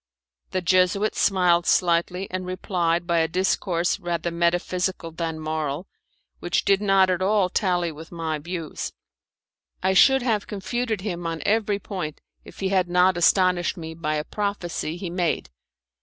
The Jesuit smiled slightly and replied by a discourse rather metaphysical than moral, which did not at all tally with my views. I should have confuted him on every point if he had not astonished me by a prophecy he made.